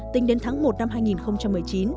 tính đến tháng một năm hai nghìn một mươi chín